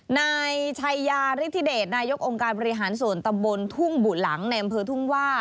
นายชัยยาฤทธิเดชนายกองค์การบริหารส่วนตำบลทุ่งบุหลังในอำเภอทุ่งว่า